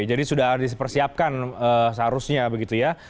jadi sudah dipersiapkan seharusnya begitu ya